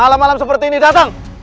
malam malam seperti ini datang